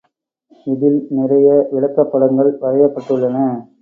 இதில் நிறைய விளக்கப்படங்கள் வரையப்பட்டுள்ளன.